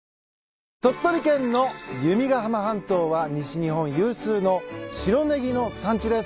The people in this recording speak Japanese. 鳥取県の弓ヶ浜半島は西日本有数の白ネギの産地です。